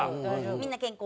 みんな健康。